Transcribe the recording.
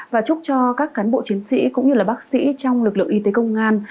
và chúc cho các cán bộ chiến sĩ cũng như là bác sĩ trong lực lượng y tế công an